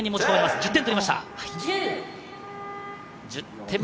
１０点を取りました。